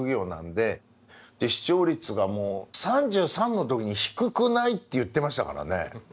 視聴率が３３の時に「低くない？」って言ってましたからね。